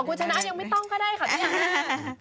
ของกุชะนะยังไม่ต้องก็ได้ครับ